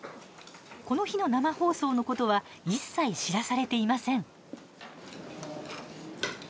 この日の生放送のことは一切、知らされていません。